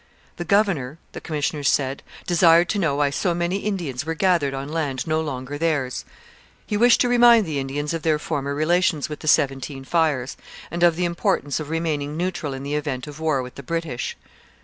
The governor, the commissioners said, desired to know why so many Indians were gathered on land no longer theirs. He wished to remind the Indians of their former relations with the Seventeen Fires, and of the importance of remaining neutral in the event of war with the British.